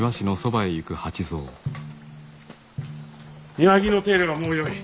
庭木の手入れはもうよい。